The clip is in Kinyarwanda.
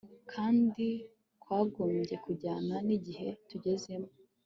kandi kwagombye kujyana n'igihe tugezemo